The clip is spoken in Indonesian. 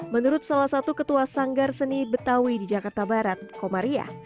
menurut salah satu ketua sanggar seni betawi di jakarta barat komaria